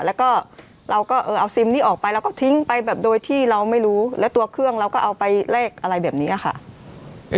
แล้วก็เราก็เออเอาซิมนี้ออกไปเราก็ทิ้งไปแบบโดยที่เราไม่รู้แล้วตัวเครื่องเราก็เอาไปแลกอะไรแบบนี้ค่ะ